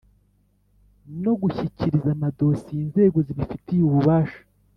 no gushyikiriza amadosiye inzego zibifitiye ububasha: